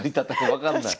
分かんない。